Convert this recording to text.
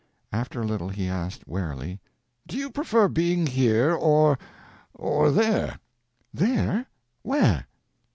After a little he asked, warily "Do you prefer being here, or—or there?" "There? Where?"